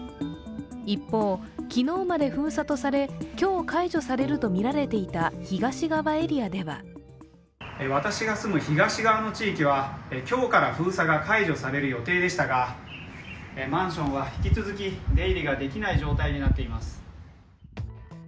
一方、昨日まで封鎖とされ、今日解除されるとみられていた東側エリアでは私が住む東側の地域は今日から封鎖が解除される予定でしたがマンションは引き続き出入りができない状態となっています。